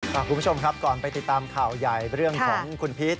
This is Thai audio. คุณผู้ชมครับก่อนไปติดตามข่าวใหญ่เรื่องของคุณพีช